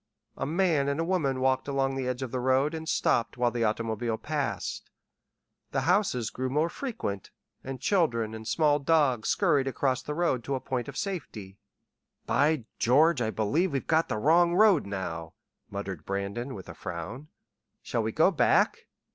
A man and a woman walked along the edge of the road and stopped while the automobile passed. The houses grew more frequent, and children and small dogs scurried across the road to a point of safety. "By George, I believe we've got the wrong road now," muttered Brandon with a frown. "Shall we go back?"